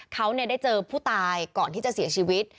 เขาได้เจอผู้ตายก่อนที่จะเสียชีวิต